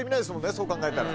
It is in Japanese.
そう考えたら。